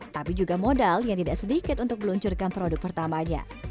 tapi juga modal yang tidak sedikit untuk meluncurkan produk pertamanya